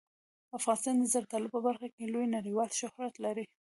افغانستان د زردالو په برخه کې لوی نړیوال شهرت لري.